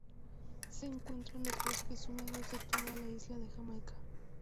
Se encuentra en los bosques húmedos de toda la isla de Jamaica.